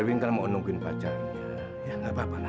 sekarang kita pulang dulu ya